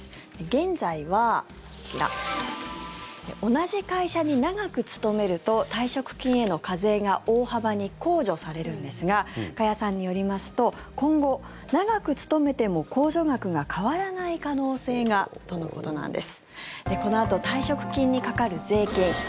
現在は同じ会社に長く勤めると退職金への課税が大幅に控除されるんですが加谷さんによりますと今後、長く勤めても控除額が変わらない可能性がとのことなんです。